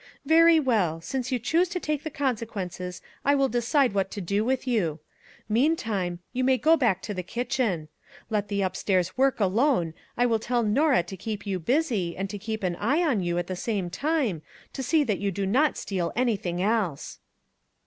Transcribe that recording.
Very well, since you choose to take the consequences, I will decide what to do with you. Meantime, you may go back to the kitchen. Let the upstairs work alone; I will tell Norah to keep you busy, and to keep an eye on you at the same time, to see that you do not steal anything else."